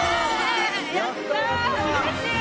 やったうれしい！